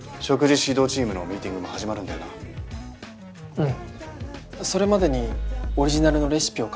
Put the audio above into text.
うん。